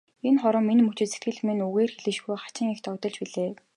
Энэ хором, энэ мөчид сэтгэл минь үгээр хэлшгүй хачин их догдолж билээ.